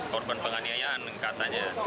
korban penganiayaan katanya